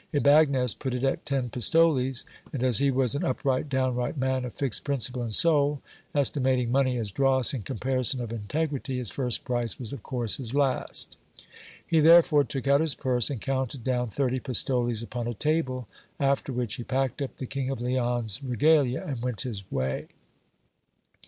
Ybagnez put it at ten pistoles ; and as he was an upright, downright man, of fixed principle and soul, estimating money as dross in comparison of integrity, his first price was of course his last. He therefore took out his purse, and counted down thirty pistoles upon a table ; after which he packed up the King of Leon's regalia, and went his way.